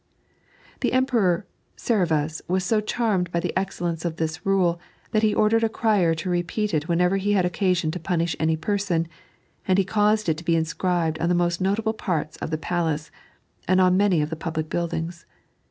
The Emperor SeveniH was so charmed by the excellence of this rule that he ordered a crier to repeat it whenever he had occasion to punish any person, and he caused it to be inscribed on the most notable parts of the palace, and on many of the public buildings.